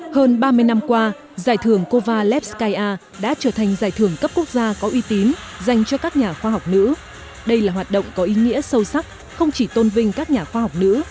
hơn ba mươi năm qua giải thưởng kovalev skyar đã trở thành giải thưởng cấp quốc gia có uy tín dành cho các nhà khoa học nữ đây là hoạt động có ý nghĩa sâu sắc không chỉ tôn vinh các nhà khoa học nữ